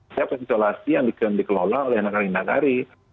menyiapkan isolasi yang dikelola oleh negeri negeri